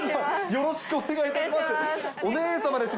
よろしくお願いします。